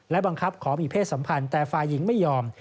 บังคับขอมีเพศสัมพันธ์แต่ฝ่ายหญิงไม่ยอม